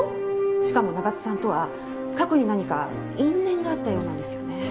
しかも長津さんとは過去に何か因縁があったようなんですよね。